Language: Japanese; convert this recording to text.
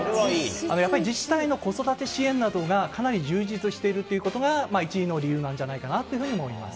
やっぱり自治体の子育て支援などが、かなり充実してるということが１位の理由なんじゃないかなというふうに思います。